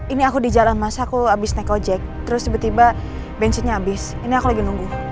ini aku di jalan mas aku habis naik ojek terus tiba tiba bensinnya habis ini aku lagi nunggu